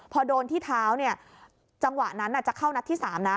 พอโดนที่เท้าเนี่ยจังหวะนั้นจะเข้านัดที่๓นะ